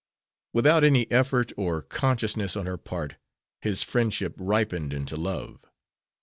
Without any effort or consciousness on her part, his friendship ripened into love.